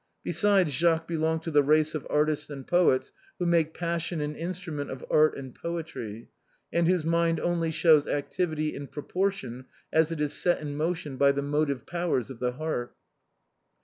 Besides Jacques belonged to that race of artists and poets who make passion an instrument of art and poetry, and whose mind only shows activity in proportion as it is set in motion by the motive powers of the heart.